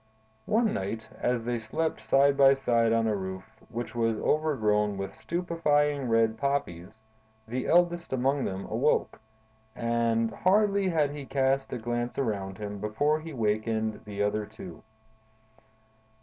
"One night, as they slept side by side on a roof, which was overgrown with stupefying red poppies, the eldest among them awoke; and hardly had he cast a glance around him, before he wakened the other two.